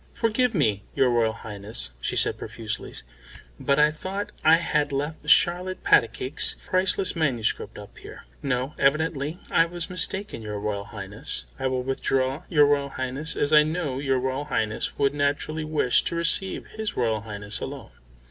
"Forgive me, your Royal Highness," she said profusely, "but I thought I had left Charlotte Patacake's priceless manuscript up here. No; evidently I was mistaken, your Royal Highness. I will withdraw, your Royal Highness, as I know your Royal Highness would naturally wish to receive his Royal Highness alone."